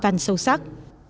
phần sâu sắc